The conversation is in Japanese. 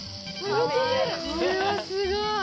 これはすごい。